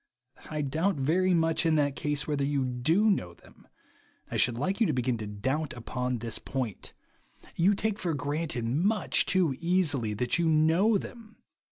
I doubt much in that case whether you do know them ; and I should like you to begin to doubt u^^on this point. You take for granted much too easily that you know them.